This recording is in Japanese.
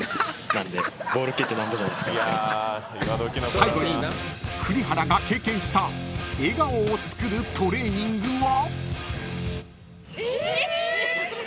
［最後に栗原が経験した笑顔を作るトレーニングは？］